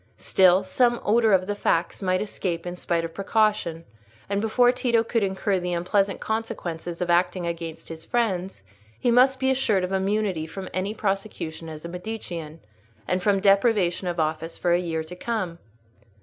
Still, some odour of the facts might escape in spite of precaution, and before Tito could incur the unpleasant consequences of acting against his friends, he must be assured of immunity from any prosecution as a Medicean, and from deprivation of office for a year to come.